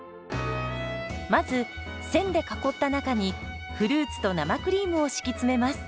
まず線で囲った中にフルーツと生クリームを敷き詰めます。